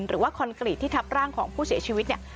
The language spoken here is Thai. คอนกรีตที่ทับร่างของผู้เสียชีวิตเนี่ย